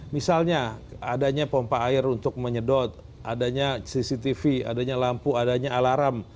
misalnya adanya pompa air untuk menyedot adanya cctv adanya lampu adanya alarm